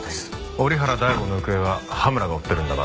折原大吾の行方は羽村が追ってるんだな？